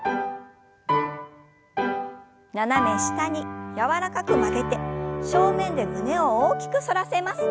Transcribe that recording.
斜め下に柔らかく曲げて正面で胸を大きく反らせます。